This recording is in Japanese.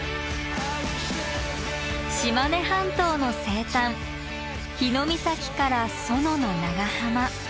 島根半島の西端日御碕から薗の長浜。